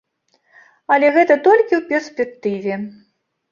Але гэта толькі ў перспектыве.